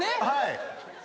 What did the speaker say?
はい。